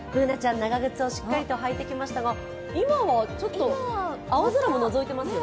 長靴をしっかりと履いてきましたが、今ちょっと青空ものぞいていますよね。